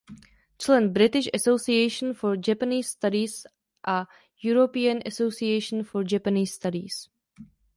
Člen British Association for Japanese Studies a European Association for Japanese Studies.